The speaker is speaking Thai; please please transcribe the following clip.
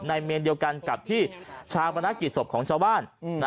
เมนเดียวกันกับที่ชาวบรรณกิจศพของชาวบ้าน